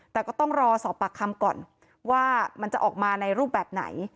แต่ก็ต้องรอสอบปากคำก่อนว่ามันจะออกมาในรูปแบบไหน